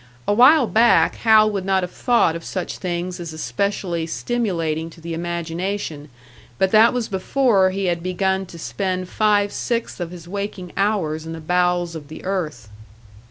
A while back Hal would not have thought of such things as especially stimulating to the imagination; but that was before he had begun to spend five sixths of his waking hours in the bowels of the earth.